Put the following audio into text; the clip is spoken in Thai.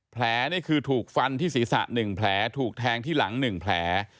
นี่คือถูกฟันที่ศีรษะ๑แผลถูกแทงที่หลัง๑แผล